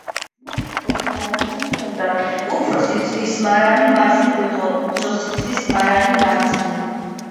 ძმებს ორი მარანი ჰქონდათ. უფროსი ძმის მარანი მარჯვნივ იყო, უმცროსი ძმის მარანი — მარცხნივ.